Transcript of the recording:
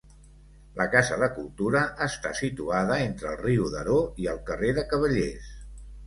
La Casa de Cultura està situada entre el riu Daró i el carrer de Cavallers.